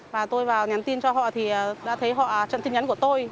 và tôi vào nhắn tin cho họ thì đã thấy họ trận tin nhắn của tôi